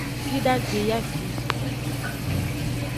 Fidagbe yi afi di.